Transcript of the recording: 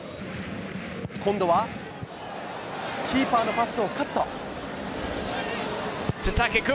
今度は、キーパーのパスをカット。